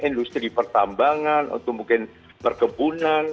industri pertambangan atau mungkin perkebunan